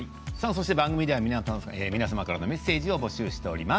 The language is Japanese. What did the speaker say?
番組では皆様からのメッセージを紹介しています。